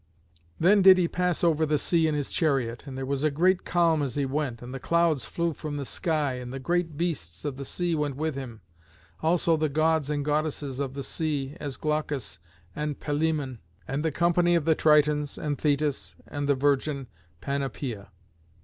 Then did he pass over the sea in his chariot, and there was a great calm as he went, and the clouds flew from the sky, and the great beasts of the sea went with him; also the gods and goddesses of the sea, as Glaucus and Palæmon, and the company of the Tritons and Thetis and the virgin Panopeä.